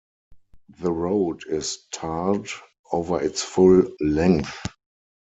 The road is tarred over its full length.